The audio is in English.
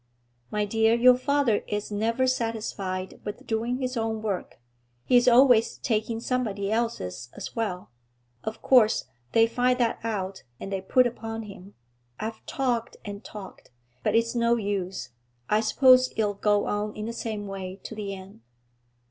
'My dear, your father is never satisfied with doing his own work; he's always taking somebody else's as well. Of course, they find that out, and they put upon him. I've talked and talked, but it's no use; I suppose it'll go on in the same way to the end.'